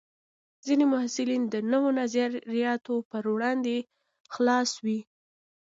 ځینې محصلین د نوو نظریاتو پر وړاندې خلاص وي.